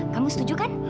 kamu setuju kan